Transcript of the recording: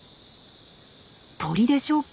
鳥でしょうか？